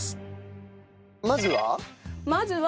まずは？